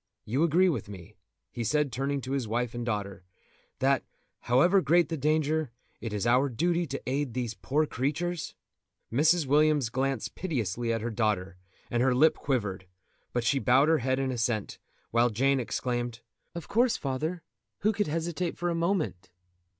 You agree with me," he said, turning to his wife and daughter, "that, however great the danger, it is our duty to aid these poor creatures?" Mrs. Williams glanced piteously at her daughter, and her lip quivered, but she bowed her head in assent, while Jane exclaimed: "Of course, father; who could hesitate for a moment?"